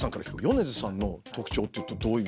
米津さんの特徴ってどういう？